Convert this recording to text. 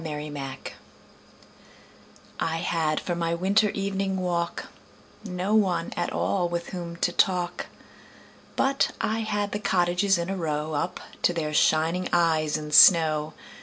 Good Hours I HAD for my winter evening walk No one at all with whom to talk, But I had the cottages in a row Up to their shining eyes in snow.